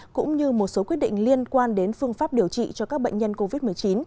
cũng như một số quyết định liên quan đến phương pháp điều trị cho các bệnh nhân covid một mươi chín